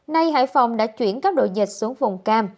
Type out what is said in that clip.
nay hải phòng đã chuyển các đội dịch xuống vùng cam